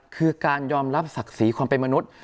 คือการยอมรับศักดิ์ศรีความเป็นมนุษย์